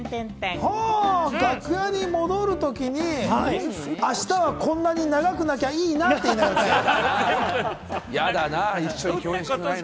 楽屋に戻るときに明日はこんなに長くなきゃいいなって言いながら戻る。